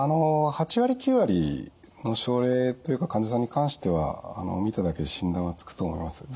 ８割９割の症例というか患者さんに関しては見ただけで診断はつくと思います。